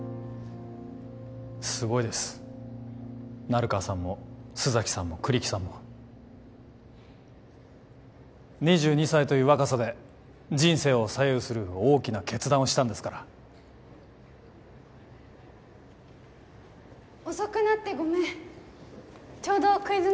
すごいです成川さんも須崎さんも栗木さんも２２歳という若さで人生を左右する大きな決断をしたんですから遅くなってごめんちょうどクイズ